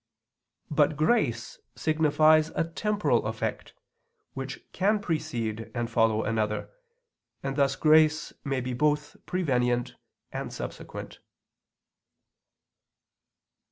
But grace signifies a temporal effect, which can precede and follow another; and thus grace may be both prevenient and subsequent.